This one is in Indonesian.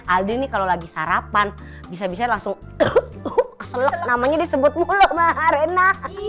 aldi nih kalo lagi sarapan bisa bisa langsung kesel namanya disebut mulu mah arena